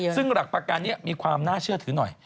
ซึ่งหลักประกันนี้มีความน่าเชื่อถือหน่อย